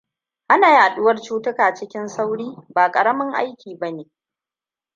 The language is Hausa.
Hana yaduwar cutuka cikin sauri ba ƙaramin aiki bane.